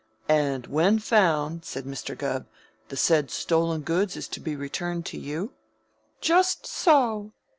"And, when found," said Mr. Gubb, "the said stolen goods is to be returned to you?" "Just so."